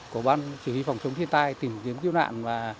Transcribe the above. của ban chỉ huy phòng chống thiên tai tìm kiếm cứu nạn